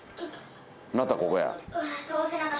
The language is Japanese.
またここや。